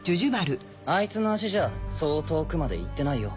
あいつの足じゃそう遠くまで行ってないよ。